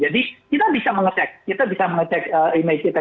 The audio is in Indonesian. jadi kita bisa mengecek kita bisa mengecek email kita